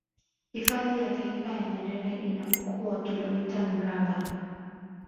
Hifadhi ya taifa ya Nyerere ina ukubwa wa kilomita mraba